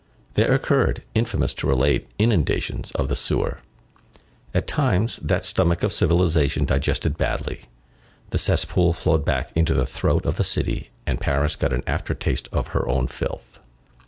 There occurred, infamous to relate, inundations of the sewer. At times, that stomach of civilization digested badly, the cesspool flowed back into the throat of the city, and Paris got an after taste of her own filth.